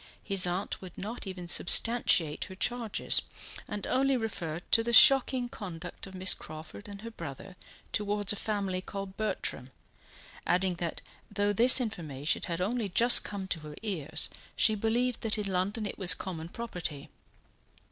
His aunt would not even substantiate her charges, and only referred to the shocking conduct of Miss Crawford and her brother towards a family called Bertram, adding that though this information had only just come to her ears, she believed that in London it was common property.